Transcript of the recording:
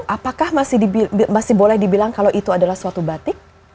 apakah masih boleh dibilang kalau itu adalah suatu batik